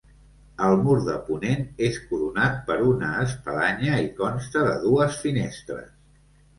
El mur de ponent és coronat per una espadanya i consta de dues finestres.